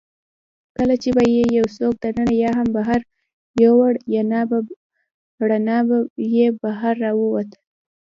کله چي به يې یوڅوک دننه یا هم بهر یووړ، رڼا به بهر راوتل.